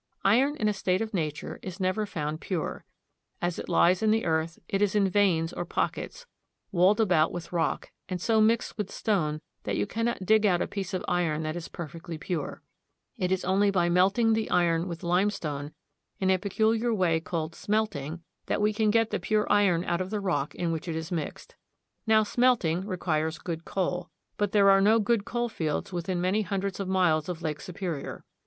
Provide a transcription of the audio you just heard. Iron in a state of nature is never found pure. As it lies in the earth, it is in veins or pockets, walled about with rock, and so mixed with stone that you cannot dig out a piece of iron that is perfectly pure. It is only by melt ing the iron with limestone, in a peculiar way called smelt ing, that we can get the pure iron out of the rock in which it is mixed. Now smelting requires good coal. But there are no good coal fields within many hundreds of miles of Lake Superior.